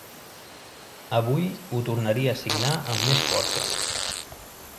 Avui ho tornaria a signar amb més força.